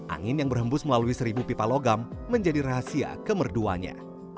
angin yang berhembus melalui seribu pipa logam menjadi rahasia kemerduanya